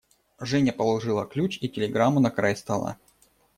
Женя положила ключ и телеграмму на край стола.